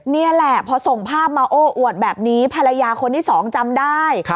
นี่แหละพอส่งภาพมาโอ้อวดแบบนี้ภรรยาคนที่สองจำได้